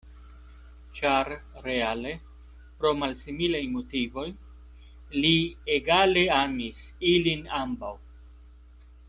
Ĉar reale, pro malsimilaj motivoj, li egale amis ilin ambaŭ.